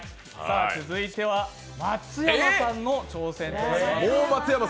続いては松山さんの挑戦です。